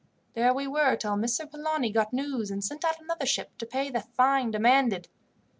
There we were till Messer Polani got news, and sent out another ship to pay the fine demanded.